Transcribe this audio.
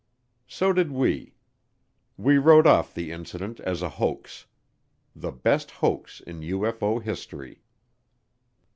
So did we; we wrote off the incident as a hoax. The best hoax in UFO history.